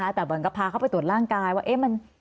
แต่บางอย่างก็พาเขาไปตรวจร่างกายว่าเอ๊ะมัน